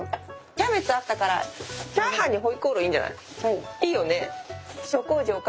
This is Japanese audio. キャベツあったからチャーハンに回鍋肉いいんじゃない？いいよね？